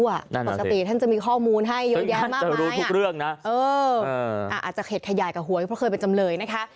ปกติท่านจะมีข้อมูลให้อยู่อย่างมากมายอ่ะเอออาจจะเข็ดขยายกับหวยเพราะเคยเป็นจำเลยนะคะ